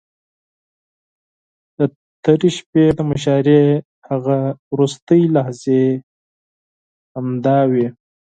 د تېرې شپې د مشاعرې هغه وروستۍ لحظې همداوې.